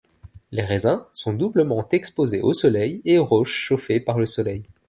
Les raisins sont doublement exposés au soleil et aux roches chauffées par le soleil.